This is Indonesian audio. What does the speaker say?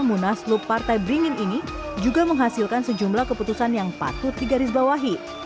munaslup partai beringin ini juga menghasilkan sejumlah keputusan yang patut digarisbawahi